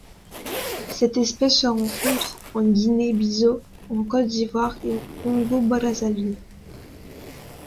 Cette espèce se rencontre en Guinée-Bissau, en Côte d'Ivoire et au Congo-Brazzaville.